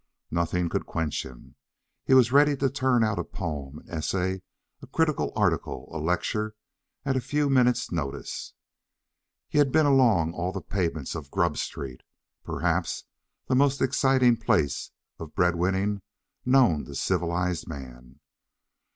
Nothing could quench him. He was ready to turn out a poem, an essay, a critical article, a lecture, at a few minutes' notice. He had been along all the pavements of Grub Street, perhaps the most exciting place of breadwinning known to the civilized man.